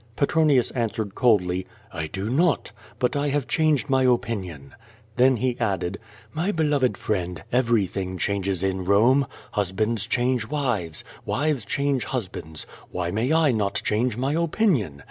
Petronius answered coldly, "I do not. But I have changed my opinion." Then he added: "Mj beloved friend, every thing changes„itt Ilome. . _HusbaS3s change wives. Wives cha'nge husbands. Why may I not change my opinion?